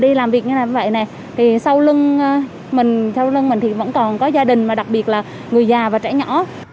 đi làm việc như vậy này thì sau lưng mình thì vẫn còn có gia đình mà đặc biệt là người già và trẻ nhỏ